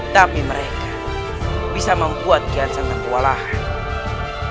tapi mereka bisa membuat kian santang kewalahan